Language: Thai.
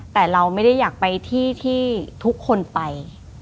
แต่เราไม่ได้อยากไปที่ที่ทุกคนไป